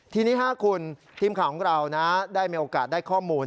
ทีนี้คุณทีมข่าวของเราได้มีโอกาสได้ข้อมูล